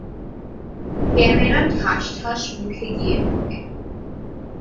Camera ঠাস ঠাস মুখে গিয়ে পড়ে।